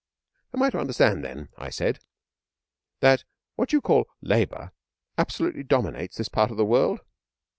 'Am I to understand, then,' I said, 'that what you call Labour absolutely dominates this part of the world?'